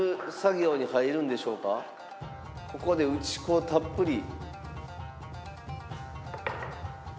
ここで打ち粉をたっぷり。